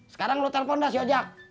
sekarang lo telepon dah si ojak